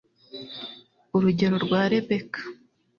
Urugero rwa Rebeka